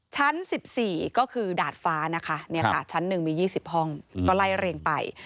ชั้น๑๔ก็คือดาดฟ้านะคะชั้น๑มี๒๐ห้องก็ไล่เรียงไป